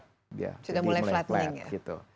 sudah mulai flat